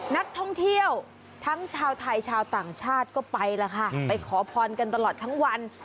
นักท่องเที่ยวทั้งชาวไทยชาวต่างชาติก็ไปแล้วค่ะไปขอพรกันตลอดทั้งวัน